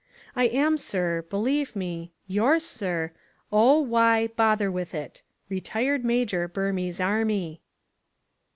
I am, sir, Believe me, yours, sir, O.Y. Botherwithit. (Ret'd Major Burmese Army.)